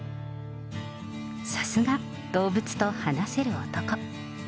さすが、動物と話せる男。